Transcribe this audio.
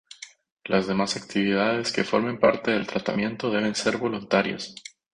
Las demás actividades que formen parte del tratamiento deben ser voluntarias.